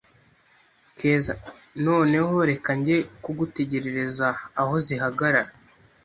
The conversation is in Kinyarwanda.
Keza: Noneho reka nge kugutegerereza aho zihagarara